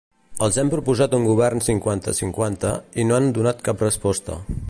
Els hem proposat un govern cinquanta-cinquanta, i no han donat cap resposta.